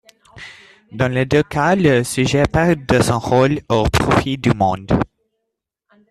Dans les deux cas le sujet perd de son rôle au profit du monde.